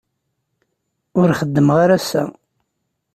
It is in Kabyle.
Ur xeddmeɣ ara ass-a.